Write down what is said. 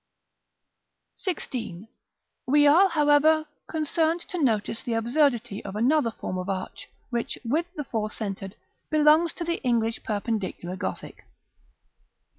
§ XVI. We are, however, concerned to notice the absurdity of another form of arch, which, with the four centred, belongs to the English perpendicular Gothic.